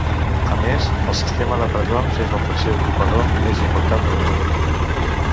A més, el sistema de presons és el tercer ocupador més important del món.